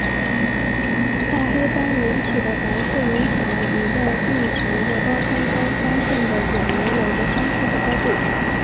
大黑斑引起的白色云彩与在地球的高空中发现的卷云有着相似的高度。